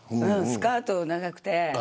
スカート長くて。